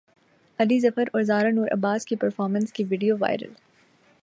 علی ظفر اور زارا نور عباس کی پرفارمنس کی ویڈیو وائرل